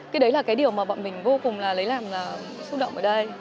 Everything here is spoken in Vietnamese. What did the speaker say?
cái đấy là cái điều mà bọn mình vô cùng là lấy làm xúc động ở đây